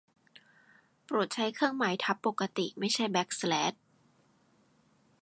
โปรดใช้เครื่องหมายทับปกติไม่ใช่แบ็กสแลช